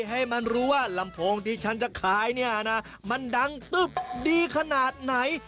ให้มันรู้ว่าลำโพงที่ฉันจะขายเนี่ยนะมันดังตึ๊บดีขนาดไหน